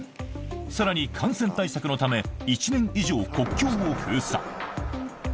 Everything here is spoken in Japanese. さらに、感染対策のため、１年以上、国境を封鎖。